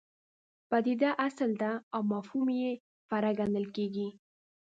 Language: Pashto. پدیده اصل ده او مفهوم یې فرع ګڼل کېږي.